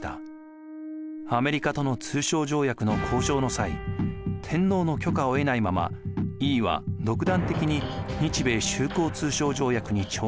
アメリカとの通商条約の交渉の際天皇の許可を得ないまま井伊は独断的に日米修好通商条約に調印しました。